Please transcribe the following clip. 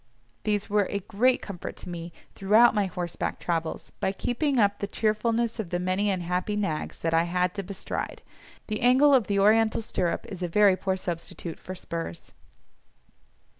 These were a great comfort to me throughout my horseback travels, by keeping up the cheerfulness of the many unhappy nags that I had to bestride; the angle of the Oriental stirrup is a very poor substitute for spurs.